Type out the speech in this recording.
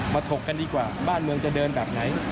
ถกกันดีกว่าบ้านเมืองจะเดินแบบไหน